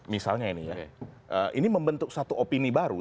misalnya ini ya ini membentuk satu opini baru